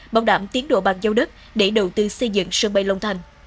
bảo đảm tiến độ bàn giao đất để đầu tư xây dựng sân bay long thành